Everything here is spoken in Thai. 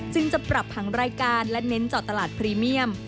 จึงจะปรับผังรายการและเน้นเจาะตลาดพรีเมียม